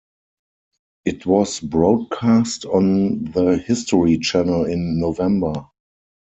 It was broadcast on the History Channel in November.